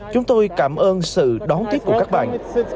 chúng tôi cảm ơn sự đón tiếp của các bạn